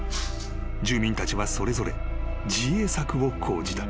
［住民たちはそれぞれ自衛策を講じた］